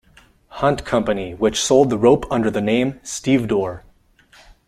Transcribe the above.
Hunt Company, which sold rope under the name "Stevedore".